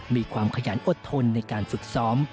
มีความขยันอดทนในการฝึกซ้อม